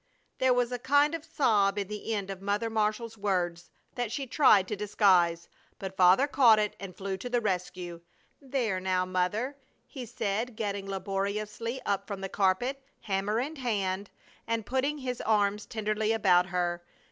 There was a kind of sob in the end of Mother Marshall's words that she tried to disguise, but Father caught it and flew to the rescue. "There now, Mother!" he said, getting laboriously up from the carpet, hammer in hand, and putting his arms tenderly about her.